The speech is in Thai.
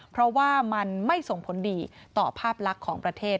เพราะว่ามันไม่ส่งผลดีต่อภาพลักษณ์ของประเทศ